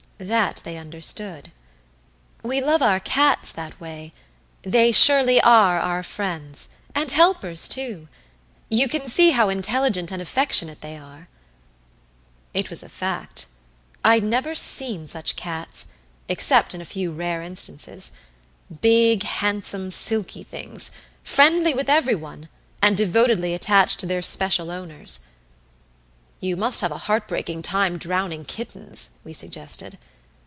That they understood. "We love our cats that way. They surely are our friends, and helpers, too. You can see how intelligent and affectionate they are." It was a fact. I'd never seen such cats, except in a few rare instances. Big, handsome silky things, friendly with everyone and devotedly attached to their special owners. "You must have a heartbreaking time drowning kittens," we suggested.